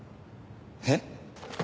えっ？